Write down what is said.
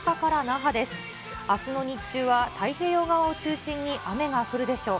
あすの日中は太平洋側を中心に雨が降るでしょう。